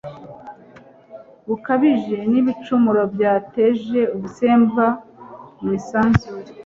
bukabije n’ibicumuro byateje ubusembwa mu isanzure